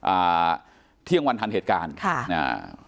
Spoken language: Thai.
อ่าเที่ยงวันทันเหตุการณ์ค่ะอ่า